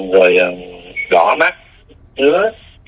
rồi rõ mắt nước